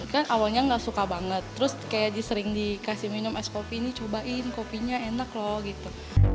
kan awalnya nggak suka banget terus kayak disering dikasih minum es kopi ini cobain kopinya enak loh gitu